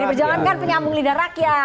pdi perjuangan kan penyambung lidah rakyat